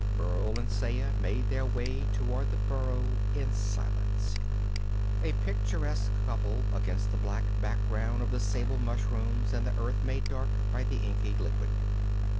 Burl and Saya made their way toward the burrow in silence, a picturesque couple against the black background of the sable mushrooms and the earth made dark by the inky liquid.